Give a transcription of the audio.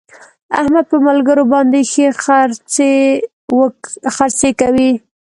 احمد په ملګرو باندې ښې خرڅې کوي.